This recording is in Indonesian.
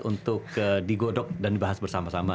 untuk digodok dan dibahas bersama sama